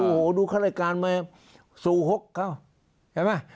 โอ้โหดูข้ารายการมาสู่๖เข้าเห็นไหม